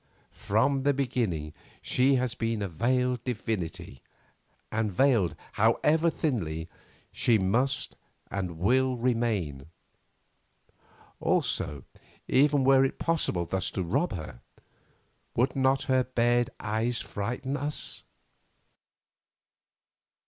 From the beginning she has been a veiled divinity, and veiled, however thinly, she must and will remain. Also, even were it possible thus to rob her, would not her bared eyes frighten us?